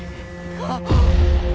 はっ！